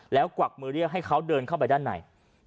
แล้วกวักมือเรียกให้เขาเดินเข้าไปด้านใน